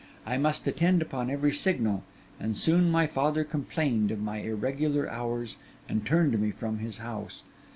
I must attend upon every signal; and soon my father complained of my irregular hours and turned me from his house.